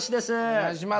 お願いします。